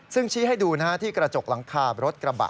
ซึ่งชี้ให้ดูที่กระจกหลังคารถกระบะ